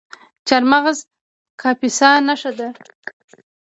چهارمغز د کاپیسا نښه ده.